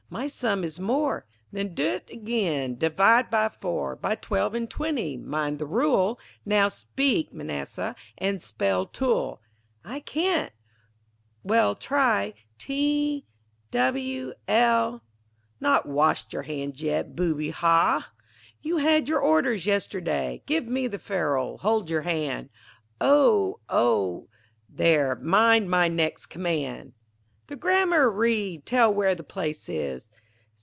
My sum is more Then do't again Divide by four, By twelve, and twenty Mind the rule. Now speak, Manasseh, and spell tool. I can't Well try T,W,L. Not wash'd your hands yet, booby, ha? You had your orders yesterday. Give me the ferule, hold your hand. Oh! Oh! There, mind my next command. The grammar read. Tell where the place is.